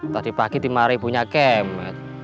tadi pagi dimarahin punya kemet